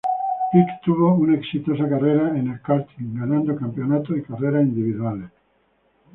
Pic tuvo una exitosa carrera en el karting, ganando campeonatos y carreras individuales.